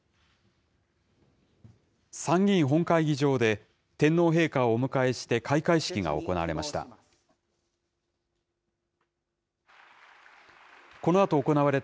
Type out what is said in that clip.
参議院本会議場で、天皇陛下をお迎えして開会式が行われました。